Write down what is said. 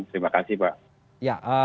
terima kasih pak